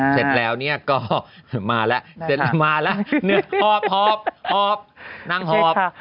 เสร็จแล้วเนี่ยก็มาล้ะหนือกหอบหน้างหอบ